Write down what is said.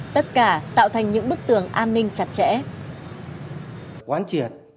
tất cả tạo thành những bức tường an ninh chặt chẽ